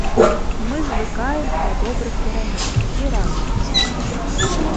Мы звыкаем да добрых перамен і радуемся ім.